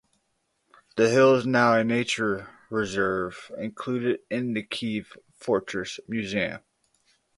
The hill is now a nature reserve included in the "Kiev Fortress" museum.